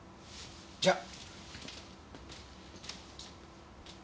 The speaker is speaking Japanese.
じゃあ。